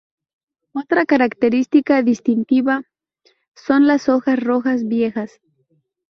Otra característica distintiva son las hojas rojas viejas.